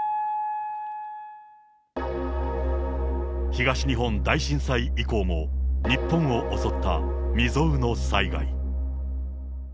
東日本大震災以降も、日本を襲った未曽有の災害。